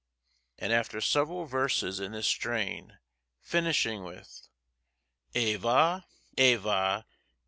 and after several verses in this strain, finishing with— Hez va!